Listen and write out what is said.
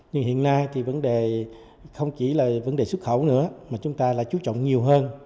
nhưng hiện nay thì vấn đề không chỉ là vấn đề xuất khẩu nữa mà chúng ta lại chú trọng nhiều hơn